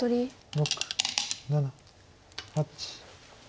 ６７８。